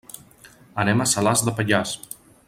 Anem a Salàs de Pallars.